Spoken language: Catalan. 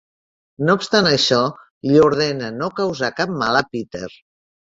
No obstant això, li ordena no causar cap mal a Peter.